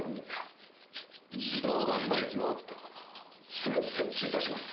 すぐ設置いたします。